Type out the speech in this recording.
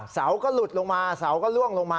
เสาก็หลุดลงมาเสาก็ล่วงลงมา